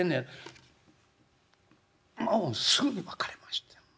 「もうすぐに別れました。